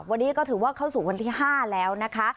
วันนี้ก็ถือว่าเข้าสู่วันที่๕แล้วนะคะ